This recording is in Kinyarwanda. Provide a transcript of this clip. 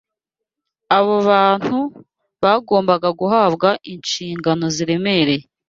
Abo bantu bagombaga guhabwa inshingano ziremereye